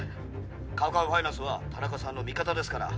カウカウファイナンスは田中さんの味方ですから